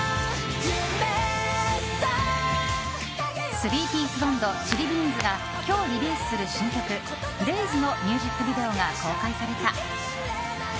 スリーピースバンドＣｈｉｌｌｉＢｅａｎｓ．が今日リリースする新曲「Ｒａｉｓｅ」のミュージックビデオが公開された。